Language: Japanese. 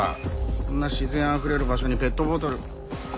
こんな自然あふれる場所にペットボトル。